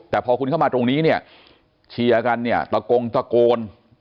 แต่พอคุณเข้ามาตรงนี้เนี่ยเชียร์กันเนี่ยตะโกงตะโกน